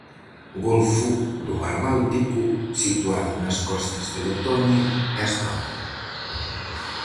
Golfo do Mar Báltico, situado nas costas de Letonia e Estonia.